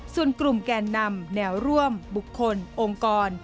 ส่วนกลุ่มแกนนำแนวร่วมบุคคลองค์กร